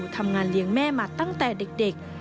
ทำงานเลี้ยงแม่มาตั้งแต่เด็ก